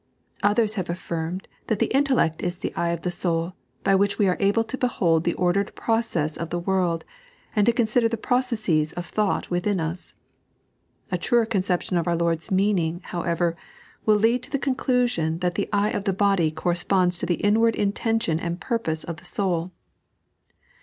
Others have affirmed that the intellect is the eye of the soul, by which we are able to behold the ordered process of the world, and to con sider the processes of thought within us. A truer concept tion of our Lord's meaning, however, will lead to the conclusion that the eye of the body corresponds to the inward intention and purpose of the soul.